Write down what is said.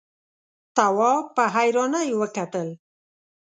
تواب په حيرانۍ وکتل.